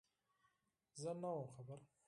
_زه نه وم خبر.